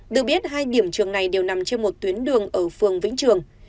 được biết hai điểm trường này đều nằm trên một tuyến đường ở phường vĩnh trường